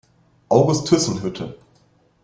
August Thyssen-Hütte".